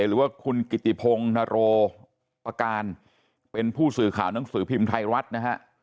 หรือว่าคุณกิติพงศ์นโรปการเป็นผู้สื่อข่าวหนังสือพิมพ์ไทยรัฐนะฮะ